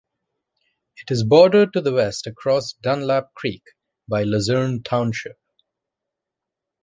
It is bordered to the west across Dunlap Creek by Luzerne Township.